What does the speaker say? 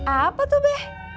apa tuh be